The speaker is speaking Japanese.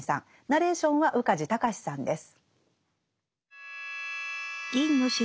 ナレーションは宇梶剛士さんです。